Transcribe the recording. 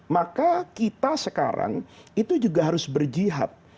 maka kita sekarang itu juga harus berjihad